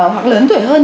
hoặc lớn tuổi hơn